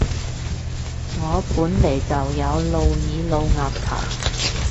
我本來就有露耳露額頭